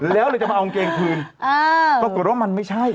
แล้วเลยจะมาเอากางเกงคืนปรากฏว่ามันไม่ใช่